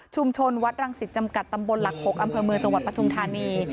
วัดรังสิตจำกัดตำบลหลัก๖อำเภอเมืองจังหวัดปทุมธานี